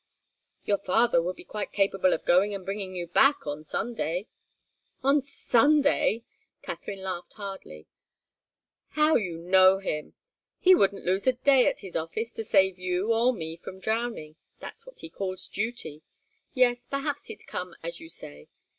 "Your father would be quite capable of going and bringing you back on Sunday." "On Sunday!" Katharine laughed hardly. "How you know him! He wouldn't lose a day at his office, to save you or me from drowning. That's what he calls duty. Yes perhaps he'd come, as you say.